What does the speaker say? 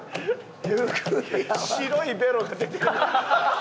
白いベロが出てる。